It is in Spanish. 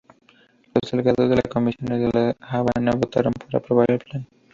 Los delegados de convenciones de La Habana votaron por aprobar el plan.